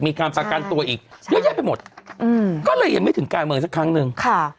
มีการประกันตัวอีกเยอะแยะไปหมดอืมก็เลยยังไม่ถึงการเมืองสักครั้งหนึ่งค่ะ